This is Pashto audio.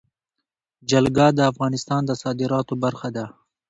جلګه د افغانستان د صادراتو برخه ده.